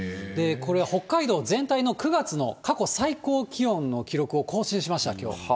これ、北海道全体の９月の過去最高気温の記録を更新しました、きょう。